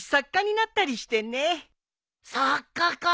作家か。